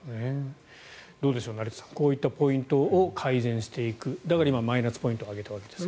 どうでしょう、成田さんこういったポイントを改善していくだから今マイナスポイントを挙げたんですが。